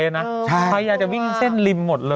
ใช่ใช่เพราะว่าขยายจะวิ่งเส้นลิมหมดเลย